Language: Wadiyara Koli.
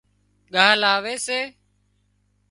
ڳاهَ لاوي سي